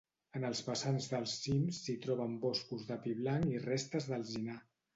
En els vessants dels cims s'hi troben boscos de pi blanc i restes d'alzinar.